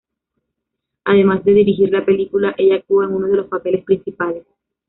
Además de dirigir la película, ella actuó en uno de los papeles principales.